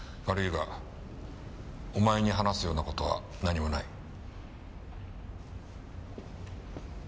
悪いがお前に話すような事は何もない。